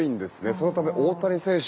そのため、大谷選手